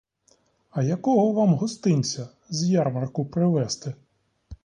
А якого вам гостинця з ярмарку привезти?